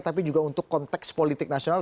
tapi juga untuk konteks politik nasional